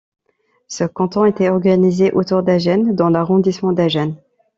Ce canton était organisé autour d'Agen dans l'arrondissement d'Agen.